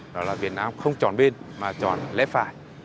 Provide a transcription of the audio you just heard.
đó là việt nam không chọn bên mà chọn lẽ phải